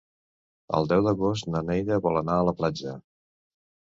El deu d'agost na Neida vol anar a la platja.